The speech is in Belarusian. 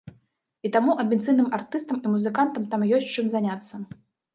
І таму амбіцыйным артыстам і музыкантам там ёсць чым заняцца.